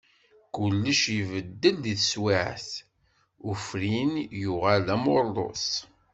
Kulec ibeddel di tesweԑt, ufrin yuγal d amurḍus.